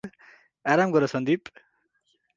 अाराम गर सन्दिप ।